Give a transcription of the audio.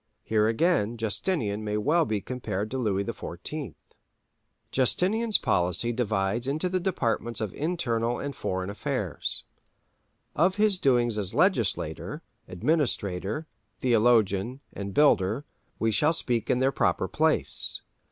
Here again Justinian may well be compared to Louis XIV. Justinian's policy divides into the departments of internal and foreign affairs. Of his doings as legislator, administrator, theologian, and builder, we shall speak in their proper place.